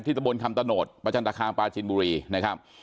ตะบนคำตโนธประจันตคามปลาจินบุรีนะครับ